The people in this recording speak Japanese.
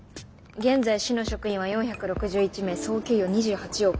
現在市の職員は４６１名総給与２８億。